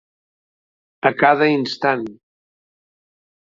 A cada instant.